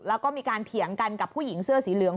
แล้วก็มีการเถียงกันกับผู้หญิงเสื้อสีเหลือง